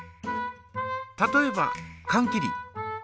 例えばかん切り。